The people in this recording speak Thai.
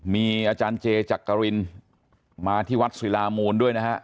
มีอาจารย์เจจากกรินมาวัดสลิรามูลด้วยนะฮะ